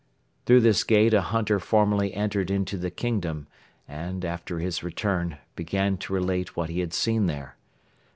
Through this gate a hunter formerly entered into the Kingdom and, after his return, began to relate what he had seen there.